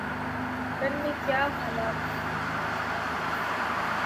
London میں کیا حالات ہیں، کتنی اموات ہوئی ہیں